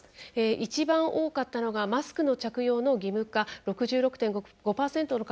一番多かったのが「マスクの着用の義務化」６６．５％の方。